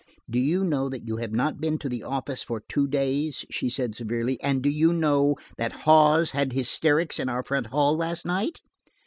"Do you know that you have not been to the office for two days?" she said severely. "And do you know that Hawes had hysterics in our front hall last night?